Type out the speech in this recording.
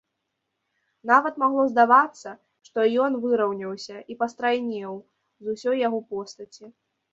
Нават магло здавацца, што ён выраўняўся і пастрайнеў з усёй свае постаці.